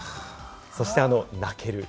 そして泣ける。